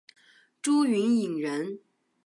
朱云影人。